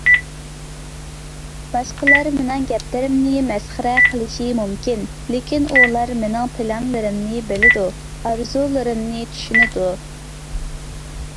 باشقىلار مېنىڭ گەپلىرىمنى مەسخىرە قىلىشى مۇمكىن، لېكىن ئۇلار مېنىڭ پىلانىمنى بىلىدۇ، ئارزۇلىرىمنى چۈشىنىدۇ.